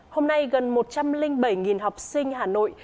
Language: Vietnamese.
hôm nay gần một trăm linh bảy học sinh hà nội